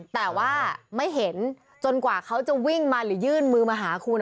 แต่ว่าไม่เห็นจนกว่าเขาจะวิ่งมาหรือยื่นมือมาหาคุณ